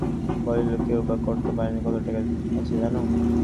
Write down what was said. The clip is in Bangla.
বলিল, কেউ বার কর্তা পারেনি-কত টাকা আছে জানো?